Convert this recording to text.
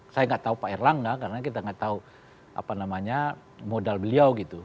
saya nggak tahu pak erlangga karena kita nggak tahu apa namanya modal beliau gitu